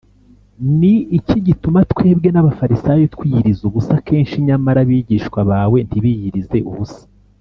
“ni iki gituma twebwe n’abafarisayo twiyiriza ubusa kenshi, nyamara abigishwa bawe ntibiyirize ubusa